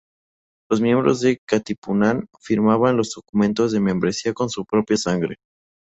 Los miembros de Katipunan firmaban los documentos de membresía con su propia sangre.